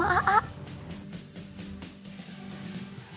tapi karena a'a gak pernah mau ngejemput dede